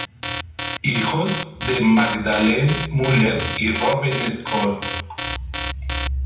Hijos de Magdalene Müller y Robert Scholl.